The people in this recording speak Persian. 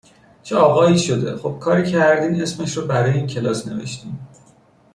چه آقایی شده خوب کاری کردین اسمش رو برای این کلاس نوشتین